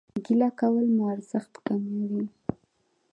ګيله کول مو ارزښت کموي